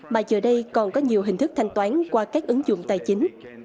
mà giờ đây còn có nhiều hình thức thanh toán qua các ứng dụng tài chính